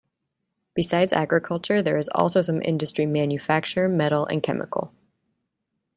Besides agriculture there is also some industry manufacture, metal and chemical.